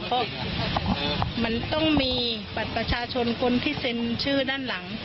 เพราะมันต้องมีบัตรประชาชนคนที่เซ็นชื่อด้านหลัง